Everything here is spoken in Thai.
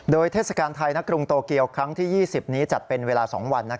โดยเทศกาลไทยณกรุงโตเกียวครั้งที่๒๐นี้จัดเป็นเวลา๒วัน